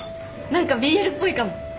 何かＢＬっぽいかも。